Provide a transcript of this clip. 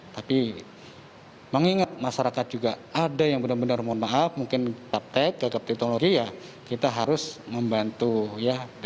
tapi mengingat masyarakat juga ada yang benar benar mohon maaf mungkin praktek kepritonologi ya kita harus membantu ya